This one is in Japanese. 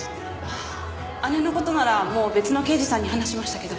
ああ姉の事ならもう別の刑事さんに話しましたけど。